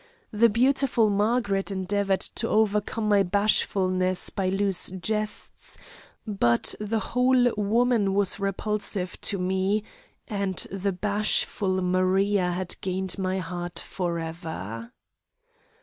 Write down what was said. The beautiful Margaret endeavoured to overcome my bashfulness by loose jests, but the whole woman was repulsive to me, and the bashful Maria had gained my heart for ever.